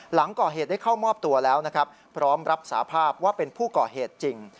หลังก่อเหตุได้เข้ามอบตัวแล้วนะครับพร้อมรับสาภาพว่าเป็นผู้ก่อเหตุจริง